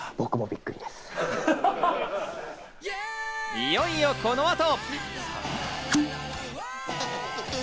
いよいよ、この後。